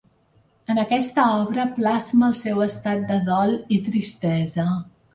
En aquesta obra plasma el seu estat de dol i tristesa.